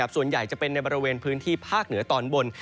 ส่วนใหญ่จะเป็นในบริเวณพื้นที่ภาคเหนือตอนบน